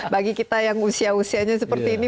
bagi kita yang usia usianya seperti ini